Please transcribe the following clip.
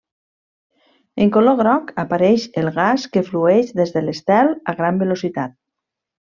En color groc apareix el gas que flueix des de l'estel a gran velocitat.